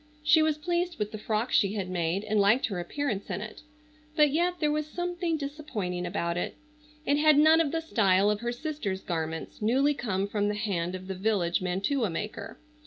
She was pleased with the frock she had made and liked her appearance in it, but yet there was something disappointing about it. It had none of the style of her sister's garments, newly come from the hand of the village mantua maker.